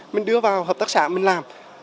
mình đưa vào hợp tác xã mình làm